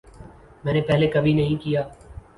میں نے پہلے کبھی نہیں کیا